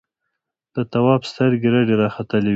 د تواب سترګې رډې راختلې وې.